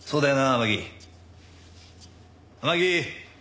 天樹！